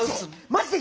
マジで。